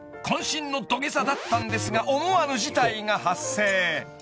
渾身の土下座だったんですが思わぬ事態が発生］